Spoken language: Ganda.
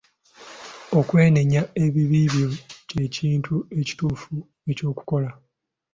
Okwenenya ebibi byo ky'ekintu ekituufu eky'okukola.